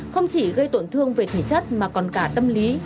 không chỉ gây tổn thương về thể chất mà còn cả tâm lý